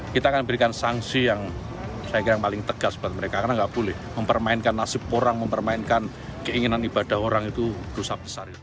kita akan berikan sanksi yang saya kira yang paling tegas buat mereka karena nggak boleh mempermainkan nasib orang mempermainkan keinginan ibadah orang itu rusak besar